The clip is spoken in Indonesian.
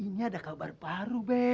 ini ada kabar baru be